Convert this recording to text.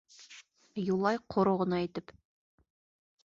Юлай ҡоро ғына итеп: